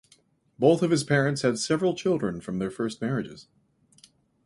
Both of his parents had several children from their first marriages.